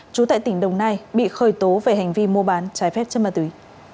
trú tại tỉnh đồng nai bị khởi tố về hành vi mua bán trái phép chất ma túy